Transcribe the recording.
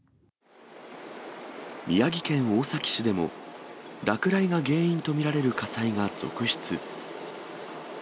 宮城県大崎市でも、落雷が原因と見られる火災が続出。